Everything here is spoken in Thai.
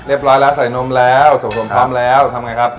ร้อยแล้วใส่นมแล้วส่วนนมพร้อมแล้วทำไงครับ